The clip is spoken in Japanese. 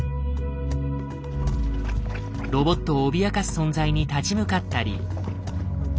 ロボットを脅かす存在に立ち向かったり。